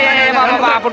ya ampun ampun ampun